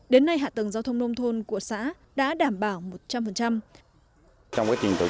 đến nay hạ tầng giao thông nông thôn của xã đã đảm bảo một trăm linh